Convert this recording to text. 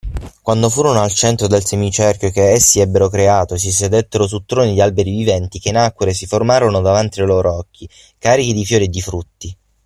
Quando furono al centro del semicerchio che essi ebbero creato, si sedettero su troni di alberi viventi che nacquero e si formarono davanti ai loro occhi, carichi di fiori e frutti.